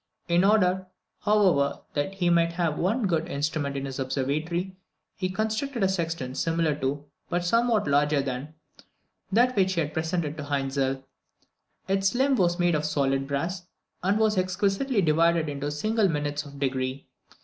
In order, however, that he might have one good instrument in his observatory, he constructed a sextant similar to, but somewhat larger than, that which he had presented to Hainzel. Its limb was made of solid brass, and was exquisitely divided into single minutes of a degree.